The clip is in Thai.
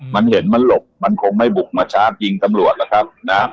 มันเห็นมันหลบมันคงไม่บุกมาชาร์จยิงตำรวจหรอกครับนะ